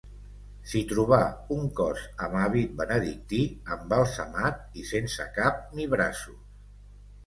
S'hi trobà un cos amb hàbit benedictí, embalsamat, i sense cap ni braços.